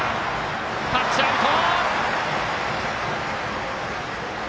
タッチアウト！